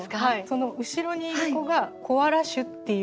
その後ろにいる子が「コアラ種」っていうことで。